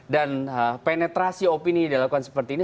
dan penetrasi opini yang dilakukan seperti ini